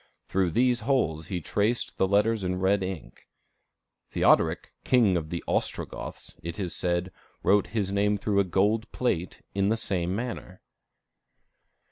Through these holes he traced the letters in red ink. Theodoric, King of the Ostrogoths, it is said, wrote his name through a gold plate, in the same manner.